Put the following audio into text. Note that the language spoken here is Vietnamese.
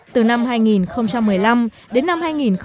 thu nhập từ năm hai nghìn một mươi năm đến năm hai nghìn hai mươi